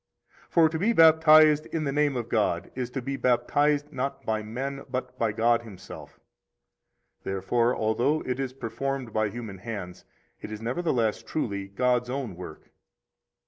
10 For to be baptized in the name of God is to be baptized not by men, but by God Himself. Therefore, although it is performed by human hands, it is nevertheless truly God's own work.